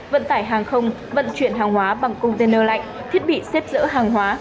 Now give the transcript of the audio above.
vận tải hàng không vận chuyển hàng hóa bằng container lạnh thiết bị xếp dỡ hàng hóa